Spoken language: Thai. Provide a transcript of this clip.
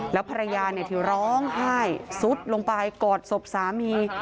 แล้วภรรยาที่ร้องไห้ซุดลงไปกอดศพสามี